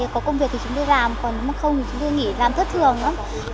có công việc thì chúng tôi làm còn không thì chúng tôi nghỉ làm thất thường nữa